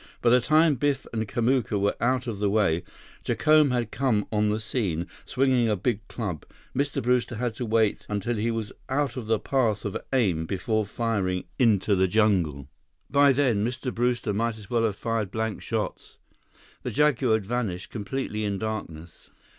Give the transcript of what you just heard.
By the time Biff and Kamuka were out of the way, Jacome had come on the scene, swinging a big club. Mr. Brewster had to wait until he was out of the path of aim, before firing into the jungle. By then, Mr. Brewster might as well have fired blank shots. The jaguar had vanished completely in darkness.